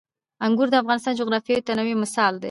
انګور د افغانستان د جغرافیوي تنوع یو مثال دی.